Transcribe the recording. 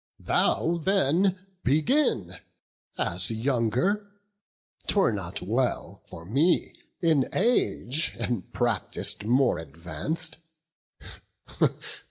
Thou then begin, as younger: 'twere not well For me, in age and practice more advanc'd.